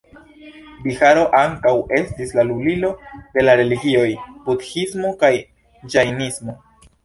Biharo ankaŭ estis la lulilo de la religioj budhismo kaj ĝajnismo.